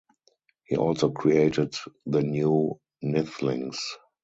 He also created the New Nithlings.